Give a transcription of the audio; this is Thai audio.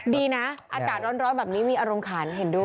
ดีนะอากาศร้อนแบบนี้มีอารมณ์ขันเห็นด้วย